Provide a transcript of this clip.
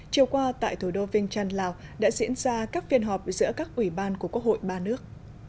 chiều qua tại thủ đô vinh trân lào đã diễn ra các phiên họp giữa các ủy ban của quốc hội ba nước